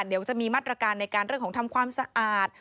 เดี๋ยวจะมีมาตรการในการเรื่องของทำความสะอาด